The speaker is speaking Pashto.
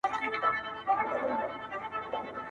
• د زړه له درده شاعري کومه ښه کوومه,